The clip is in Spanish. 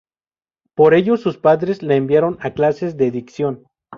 Por ello, sus padres la enviaron a clases de dicción.